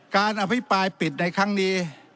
การอภิปรายปิดในครั้งนี้